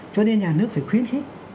cho nên nhà nước phải khuyến khích